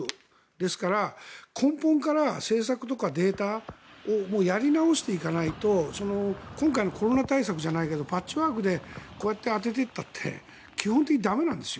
ですから、根本から政策とかデータをやり直していかないと今回のコロナ対策じゃないけどパッチワークでこうやって当てていったって基本的に駄目なんです。